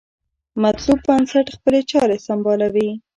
مطلوب بنسټ خپلې چارې سمبالوي.